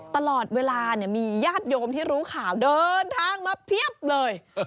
ตลอดเวลามีญาติโยมที่รู้ข่าวเดินทางมาเพียบเลย